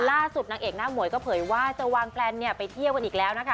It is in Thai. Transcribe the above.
นางเอกหน้าหมวยก็เผยว่าจะวางแลนไปเที่ยวกันอีกแล้วนะคะ